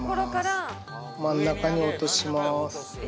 真ん中に落とします